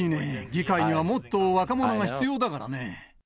議会にはもっと若者が必要だからね。